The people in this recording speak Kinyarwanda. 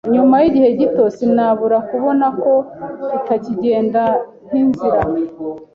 Nyuma yigihe gito, sinabura kubona ko tutakigenda nkinzira.